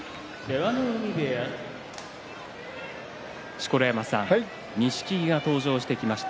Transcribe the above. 錣山さん錦木が登場してきました。